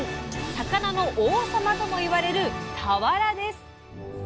魚の王様とも言われる「さわら」です。